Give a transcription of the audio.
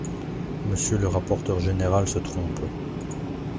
Monsieur le rapporteur général se trompe.